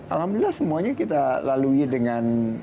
alhamdulillah semuanya kita lalui dengan